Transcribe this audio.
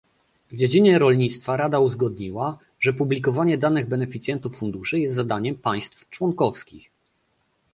W dziedzinie rolnictwa Rada uzgodniła, że publikowanie danych beneficjentów funduszy jest zadaniem państw członkowskich